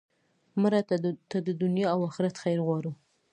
مړه ته د دنیا او آخرت خیر غواړو